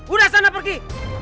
udah sana pergi